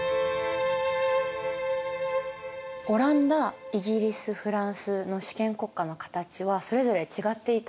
オランダイギリスフランスの主権国家の形はそれぞれ違っていたんですね。